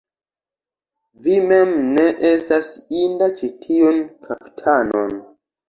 Vi mem ne estas inda ĉi tiun kaftanon!